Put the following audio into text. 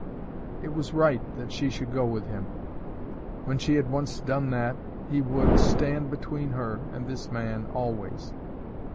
It was right that she should go with him. When she had once done that, he would stand between her and this man always.